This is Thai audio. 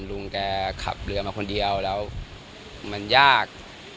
ลุงแกขับเรือมาคนเดียวแล้วมันยาก